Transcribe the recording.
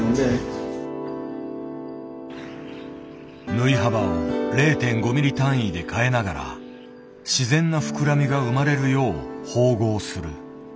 縫い幅を０．５ミリ単位で変えながら自然な膨らみが生まれるよう縫合する。